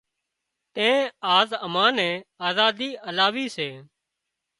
تين آز امان نين آزادي الاوي سي